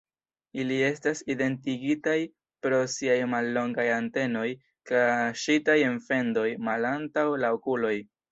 Ili estas identigitaj pro siaj mallongaj antenoj, kaŝitaj en fendoj malantaŭ la okuloj.